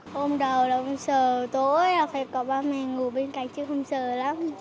hôm đầu là sợ tối là phải có ba mẹ ngủ bên cạnh chứ không sợ lắm